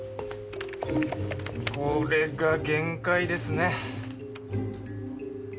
これが限界ですね。